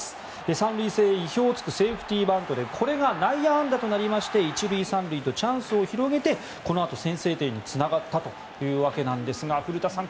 ３塁線へ意表を突くセーフティーバントでこれが内野安打となって１塁３塁とチャンスを広げてこのあと先制点につながったというわけなんですが古田さん